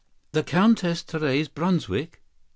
"The Countess Therese Brunswick!